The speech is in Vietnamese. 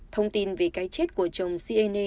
thông tin về cái chết của chồng siene